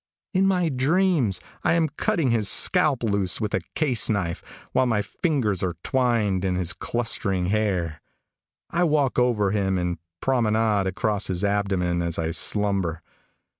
In my dreams I am cutting his scalp loose with a case knife, while my fingers are twined in his clustering hair. I walk over him and promenade across his abdomen as I slumber.